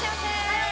はい！